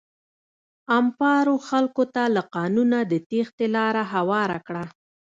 امپارو خلکو ته له قانونه د تېښتې لاره هواره کړه.